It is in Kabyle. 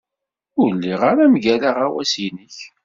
Ur lliɣ ara mgal aɣawas-inek.